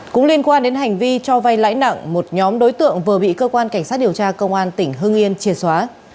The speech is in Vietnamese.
cũng liên quan đến hành vi cho vay lãi nặng một nhóm đối tượng vừa bị cơ quan cảnh sát điều tra công an tỉnh hưng yên triệt xóa